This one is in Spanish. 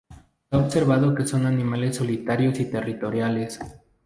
Se ha observado que son animales solitarios y territoriales.